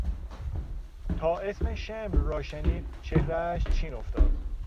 تا اسم شمر را شنید چهرهاش چین افتاد.